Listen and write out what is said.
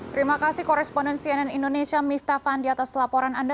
terima kasih koresponden cnn indonesia miftah fandi atas laporan anda